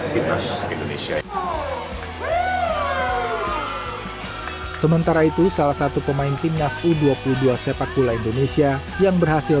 timnas indonesia sementara itu salah satu pemain timnas u dua puluh dua sepak bola indonesia yang berhasil